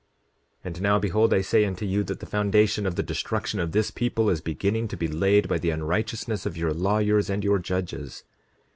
10:27 And now behold, I say unto you, that the foundation of the destruction of this people is beginning to be laid by the unrighteousness of your lawyers and your judges.